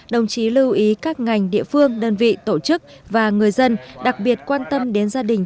đồng chí lưu ý các ngành địa phương đơn vị tổ chức và người dân đặc biệt quan tâm đến gia đình